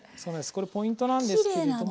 これポイントなんですけれども。